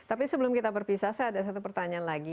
tapi sebelum kita berpisah saya ada satu pertanyaan lagi